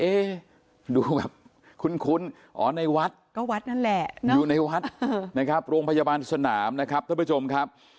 ดูแบบคุ้นอ๋อในวัดก็วัดนั่นแหละอยู่ในวัดนะครับโรงพยาบาลสนามนะครับท่านผู้ชมครับ